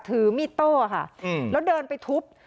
ทืมมิต้าค่ะแล้วเดินไปทุบ